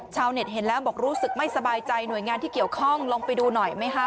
ชาวเน็ตเห็นแล้วบอกรู้สึกไม่สบายใจหน่วยงานที่เกี่ยวข้องลงไปดูหน่อยไหมคะ